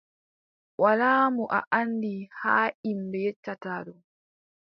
Walaa mo a anndi, haa ƴimɓe yeccata ɗo,